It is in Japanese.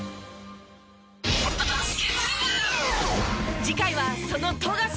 次回はその富樫勇樹。